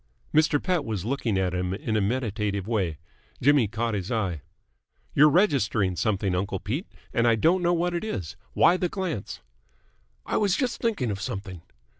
Mr. Pett was looking at him in a meditative way. Jimmy caught his eye. "You're registering something, uncle Pete, and I don't know what it is. Why the glance?" "I was just thinking of something."